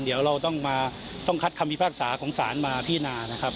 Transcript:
เดี๋ยวเราต้องมาต้องคัดคำพิพากษาของศาลมาพินานะครับ